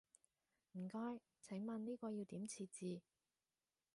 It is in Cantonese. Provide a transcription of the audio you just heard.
唔該，請問呢個要點設置？